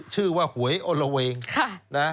ชื่อว่าหวยโอลเวงนะครับค่ะ